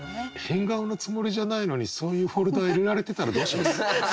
変顔のつもりじゃないのにそういうフォルダ入れられてたらどうします？